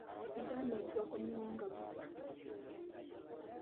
Mugambe nti wakomyewo nga bukya?